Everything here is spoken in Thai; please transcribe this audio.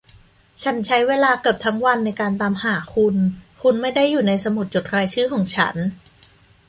ฉันใช้เวลาเกือบทั้งวันในการตามหาคุณ คุณไม่ได้อยู่ในสมุดจดรายชื่อของฉัน